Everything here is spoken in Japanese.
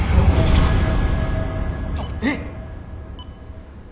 えっ！？